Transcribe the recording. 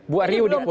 buat riuh di publik